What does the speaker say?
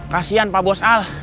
kasian pak bos al